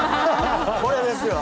これですよ！